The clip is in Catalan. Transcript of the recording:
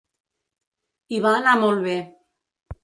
I va anar molt bé.